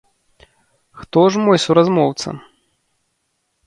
Хто ж мой суразмоўца?